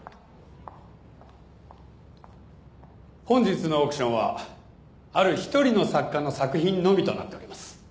本日のオークションはある一人の作家の作品のみとなっております。